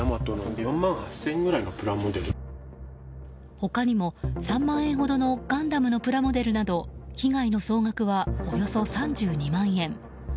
他にも３万円ほどの「ガンダム」のプラモデルなど被害の総額はおよそ３２万円。